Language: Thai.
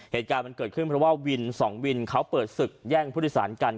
เหตุการณ์มันเกิดขึ้นเพราะว่าวินสองวินเขาเปิดศึกแย่งผู้โดยสารกัน